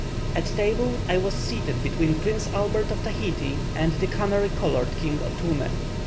At table I was seated between Prince Albert of Tahiti and the canary coloured King Otoume.